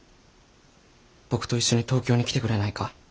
僕と一緒に東京に来てくれないか？